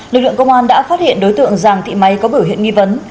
lực lượng công an đã phát hiện đối tượng giàng thị máy có biểu hiện nghi vấn